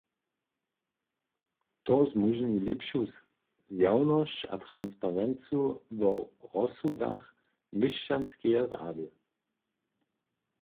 To zmóžni lěpšu zjawnosć a transparencu wo rozsudach měšćanskeje rady.